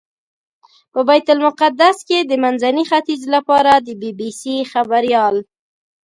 په بیت المقدس کې د منځني ختیځ لپاره د بي بي سي خبریال.